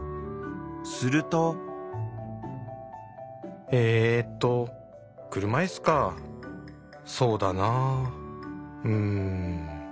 すると「えーと車いすかそうだなぁうん」。